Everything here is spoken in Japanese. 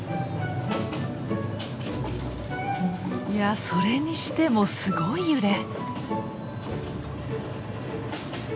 いやそれにしてもすごい揺れ。